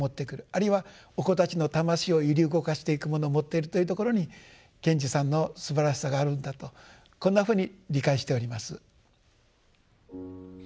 あるいはお子たちの魂を揺り動かしていくもの持っているというところに賢治さんのすばらしさがあるんだとこんなふうに理解しております。